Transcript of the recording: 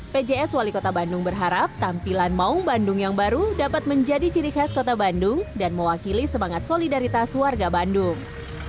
pjs wali kota bandung berharap tampilan maung bandung yang baru dapat menjadi ciri khas kota bandung dan mewakili semangat solidaritas warga bandung